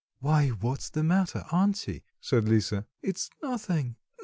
"Why, what is the matter, auntie?" said Lisa, "it's nothing."